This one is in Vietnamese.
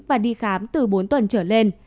và đi khám từ bốn tuần trở lên